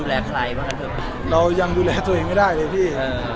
เรายังดูแลตัวเองไม่ได้เลยพี่